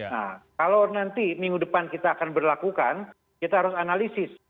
nah kalau nanti minggu depan kita akan berlakukan kita harus analisis